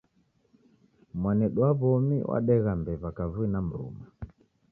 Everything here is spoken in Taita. Mwanedu wa w'omi wadegha mbew'a kavui na mruma.